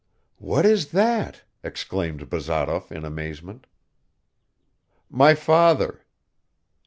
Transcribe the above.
"What is that?" exclaimed Bazarov in amazement. "My father."